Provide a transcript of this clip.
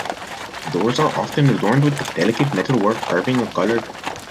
Doors are often adorned with delicate metal work, carving or color.